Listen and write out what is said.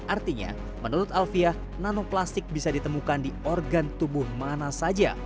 artinya menurut alfiah nanoplastik bisa ditemukan di organ tubuh mana saja